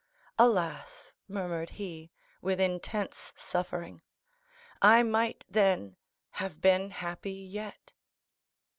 "Alas," murmured he, with intense suffering, "I might, then, have been happy yet."